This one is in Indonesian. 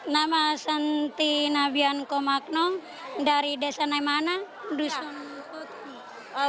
nama santi nabian komakno dari desa naimana dusun putih